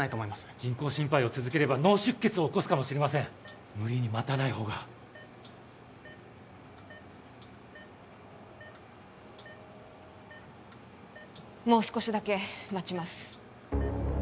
人工心肺を続ければ脳出血を起こすかもしれません無理に待たない方がもう少しだけ待ちます